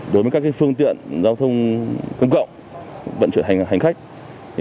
đối với các phương tiện giao thông công cộng vận chuyển hành khách